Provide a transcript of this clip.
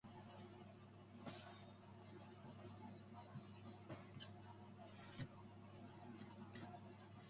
Entrance to the mountain, oddly enough, is under water.